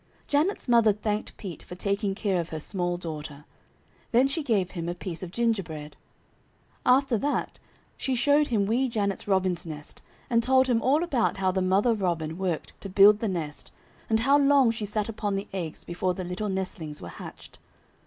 Janet's mother thanked Pete for taking care of her small daughter. Then she gave him a piece of gingerbread. After that she showed him Wee Janet's robin's nest and told him all about how the mother robin worked to build the nest, and how long she sat upon the eggs before the little nestlings were hatched.